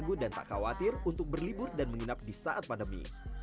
ibu dan tak khawatir untuk berlibur dan menginap di saat pandemi